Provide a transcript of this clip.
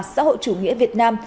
xã hội chủ nghĩa việt nam